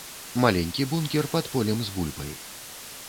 Маленькі бункер пад полем з бульбай.